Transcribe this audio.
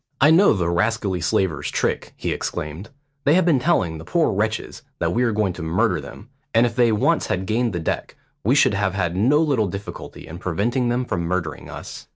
"I know the rascally slavers' trick," he exclaimed; "they have been telling the poor wretches that we are going to murder them; and if they once had gained the deck, we should have had no little difficulty in preventing them from murdering us."